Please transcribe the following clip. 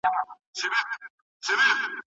کله چې ځای د ګټې راشي نو حصه نه غواړي